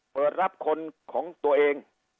เปิดรับคนของตัวเอง